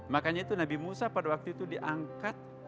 makanya itu nabi musa pada waktu itu diangkat